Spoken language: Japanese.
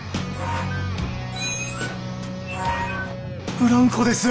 ブランコです。